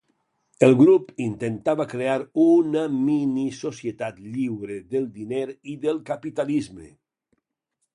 El grup intentava crear una mini-societat lliure del diner i del capitalisme.